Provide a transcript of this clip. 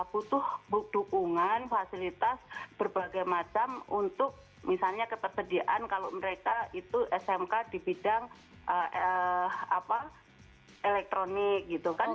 butuh dukungan fasilitas berbagai macam untuk misalnya ketersediaan kalau mereka itu smk di bidang elektronik gitu kan